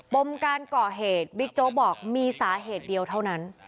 มการก่อเหตุบิ๊กโจ๊กบอกมีสาเหตุเดียวเท่านั้น